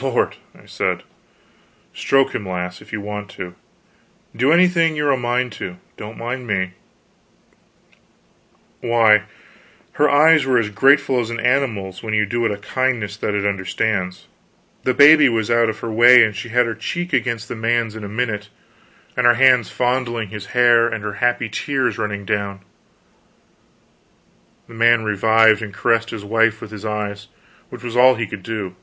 "Lord," I said, "stroke him, lass, if you want to. Do anything you're a mind to; don't mind me." Why, her eyes were as grateful as an animal's, when you do it a kindness that it understands. The baby was out of her way and she had her cheek against the man's in a minute and her hands fondling his hair, and her happy tears running down. The man revived and caressed his wife with his eyes, which was all he could do.